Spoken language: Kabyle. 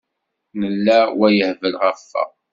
Nella wa yehbel ɣef wa.